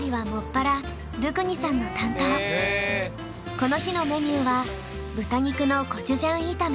この日のメニューは豚肉のコチュジャン炒め。